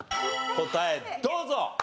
答えどうぞ！